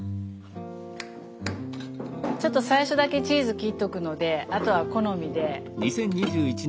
ちょっと最初だけチーズ切っとくのであとは好みで。